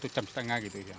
satu jam setengah gitu